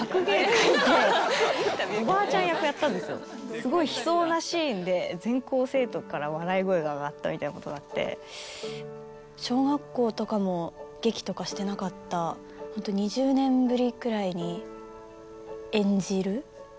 すごい悲壮なシーンで全校生徒から笑い声が上がったみたいなことがあって小学校とかも劇とかしてなかったホント２０年ぶりくらいに演じる？